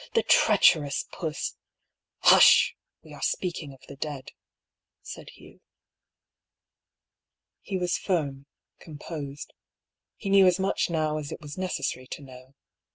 " The treacherous puss "" Hush ! We are speaking of the dead," said Hugh. He was firm, composed. He knew as much now as it was necessary to know.